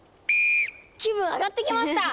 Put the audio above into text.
気分上がってきました！